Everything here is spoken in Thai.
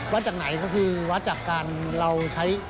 จากไหนก็คือวัดจากการเราใช้